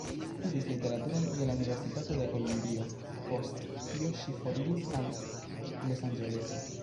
Ŝi studis literaturon je la Universitato de Kolumbio, post kio ŝi foriris al Losanĝeleso.